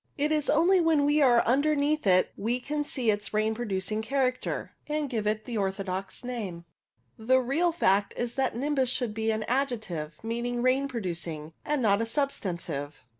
It is only when we are underneath it we can see its rain producing character, and give it the orthodox name. The real fact is that nimbus should be □ D O _l o z << P , NIMBUS 75 an adjective, meaning rain producing, and not a substantive.